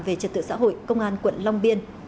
về trật tự xã hội công an quận long biên